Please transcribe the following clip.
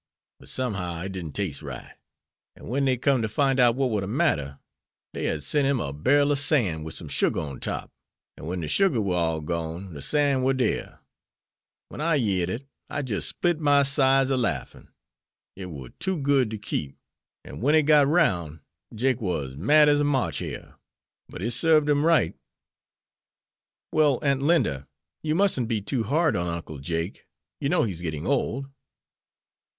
But somehow it didn't tase right, an' wen dey come ter fine out what war de matter, dey hab sent him a barrel ob san' wid some sugar on top, an' wen de sugar war all gone de san' war dare. Wen I yeard it, I jis' split my sides a larfin. It war too good to keep; an' wen it got roun', Jake war as mad as a March hare. But it sarved him right." "Well, Aunt Linda, you musn't be too hard on Uncle Jake; you know he's getting old."